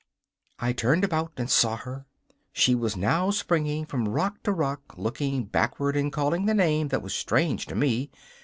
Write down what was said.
I turned about and saw her. She was now springing from rock to rock, looking backward and calling the name that was strange to me.